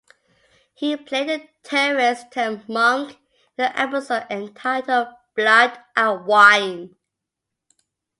He played a terrorist turned monk in the episode entitled "Blood and Wine".